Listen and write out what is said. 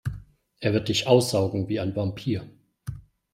Er wird dich aussaugen wie ein Vampir.